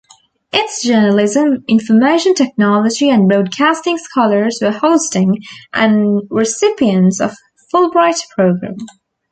Its journalism, information technology and broadcasting scholars were hosting and recipients of Fulbright Program.